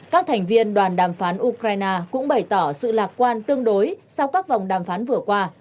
các thành viên đoàn đàm phán ukraine cũng bày tỏ sự lạc quan tương đối sau các vòng đàm phán vừa qua